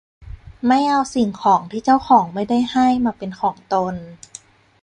ไม่เอาสิ่งของที่เจ้าของไม่ได้ให้มาเป็นของตน